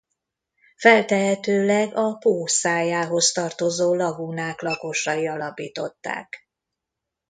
Feltehetőleg a Pó szájához tartozó lagúnák lakosai alapították.